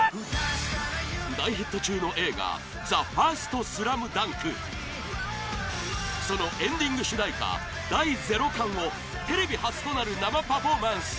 大ヒット中の映画「ＴＨＥＦＩＲＳＴＳＬＡＭＤＵＮＫ」そのエンディング主題歌「第ゼロ感」をテレビ初となる生パフォーマンス！